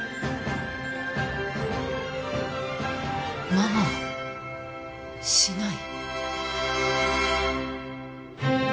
ママはしない？